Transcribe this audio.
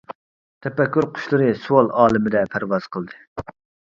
تەپەككۇر قۇشلىرى سوئال ئالىمىدە پەرۋاز قىلدى.